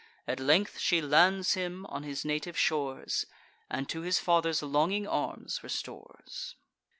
At length she lands him on his native shores, And to his father's longing arms restores.